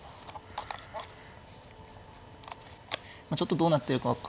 ちょっとどうなってるか分からない。